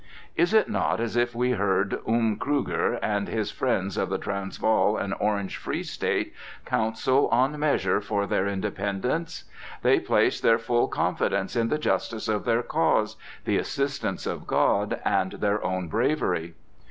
Is it not as if we heard Oom Krueger and his friends of the Transvaal and Orange Free State counsel on measures for their independence? They placed their full confidence in the justice of their cause, the assistance of God, and their own bravery.